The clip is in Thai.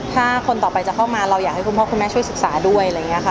ถ้าคนต่อไปจะเข้ามาเราอยากให้คุณพ่อคุณแม่ช่วยศึกษาด้วยอะไรอย่างนี้ค่ะ